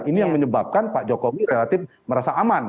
ini yang menyebabkan pak jokowi relatif merasa aman